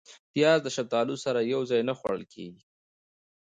پیاز د شفتالو سره یو ځای نه خوړل کېږي